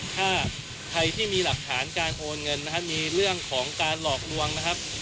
ถ้าใครที่มีหลักฐานการโอนเงินนะครับมีเรื่องของการหลอกลวงนะครับ